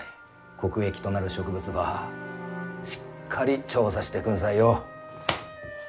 国益となる植物ばしっかり調査してくんさいよ。